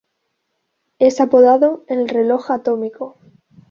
Es apodado "El Reloj Atómico".